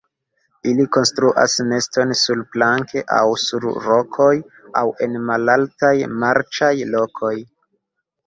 Ili konstruas neston surplanke aŭ sur rokoj aŭ en malaltaj marĉaj lokoj.